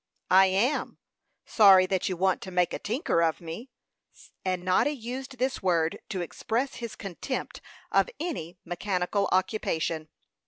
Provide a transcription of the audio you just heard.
"I am sorry that you want to make a tinker of me;" and Noddy used this word to express his contempt of any mechanical occupation.